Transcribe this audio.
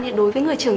thì đối với người trẻ